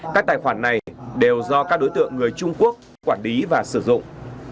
các tài khoản này đều do các đối tượng người trung quốc quản lý và sử dụng